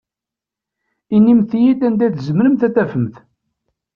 Inimt-iyi-id, anda i tzemremt ad t-tafemt?